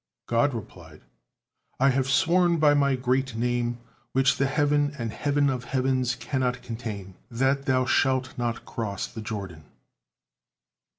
God replied: "I have sworn by My great name, which ' the heaven and heaven of heavens cannot contain,' that thou shalt not cross the Jordan."